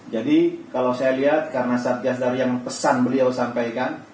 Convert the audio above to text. jadi kalau saya lihat karena satgas dari yang pesan beliau sampaikan